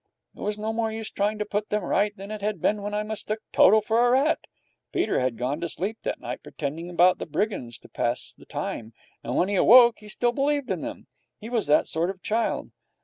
It was no more use trying to put them right than it had been when I mistook Toto for a rat. Peter had gone to sleep that night pretending about the brigands to pass the time, and when he awoke he still believed in them. He was that sort of child.